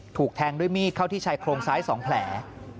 ถูกแทงด้วยมีดเข้าที่ชายโครงซ้าย๒แผล